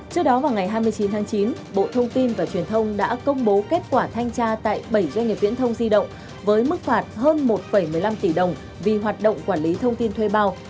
trước đó vào ngày hai mươi chín tháng chín bộ thông tin và truyền thông đã công bố kết quả thanh tra tại bảy doanh nghiệp viễn thông di động với mức phạt hơn một một mươi năm tỷ đồng vì hoạt động quản lý thông tin thuê bao